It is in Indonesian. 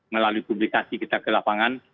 melalui publikasi kita ke lapangan